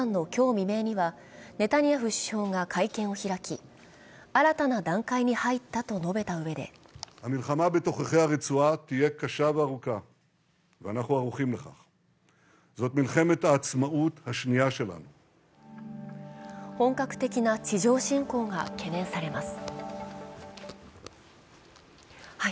未明にはネタニヤフ首相が会見を開き、新たな段階に入ったと述べたうえで本格的な地上侵攻が懸念されます。